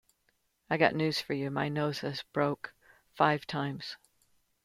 I got news for you, my nose has broke five times.